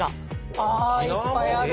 ああいっぱいある。